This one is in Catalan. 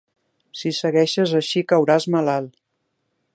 Si segueixes així, cauràs malalt.